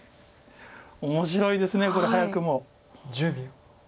面白いですこれ早くも。